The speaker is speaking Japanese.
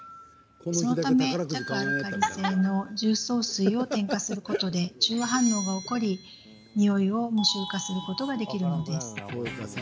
そのため弱アルカリ性の重曹水を添加することで中和反応が起こりニオイを無臭化することができるのです。